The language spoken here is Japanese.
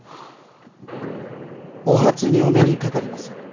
お初にお目にかかります。